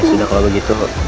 ya sudah kalau begitu